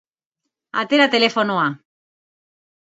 Atera telefonoa.